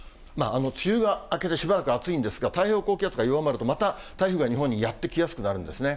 梅雨が明けてしばらく暑いんですが、太平洋高気圧が弱まると、また台風が日本にやって来やすくなるんね。